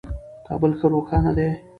کابل ښه روښانه دی.